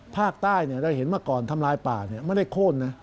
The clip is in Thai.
ภาคใต้เราเห็นมาก่อนทำลายป่าไม่ได้โค้นนะ